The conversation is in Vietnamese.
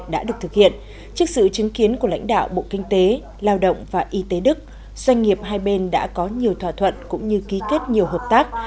đã được thực hiện trước sự chứng kiến của lãnh đạo bộ kinh tế lao động và y tế đức doanh nghiệp hai bên đã có nhiều thỏa thuận cũng như ký kết nhiều hợp tác